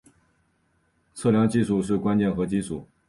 测量技术是关键和基础。